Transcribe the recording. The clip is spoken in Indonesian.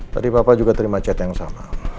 tadi bapak juga terima chat yang sama